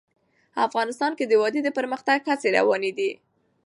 افغانستان کې د وادي د پرمختګ هڅې روانې دي.